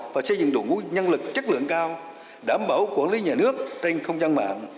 và xây dựng đội ngũ nhân lực chất lượng cao đảm bảo quản lý nhà nước trên không gian mạng